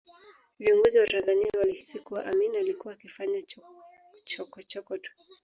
Viongozi wa Tanzania walihisi kuwa Amin alikuwa akifanya chokochoko tu